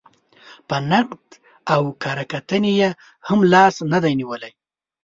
په نقد او کره کتنې یې هم لاس نه دی نېولی.